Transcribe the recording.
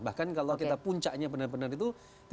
bahkan kalau kita puncaknya benar benar itu tiga ratus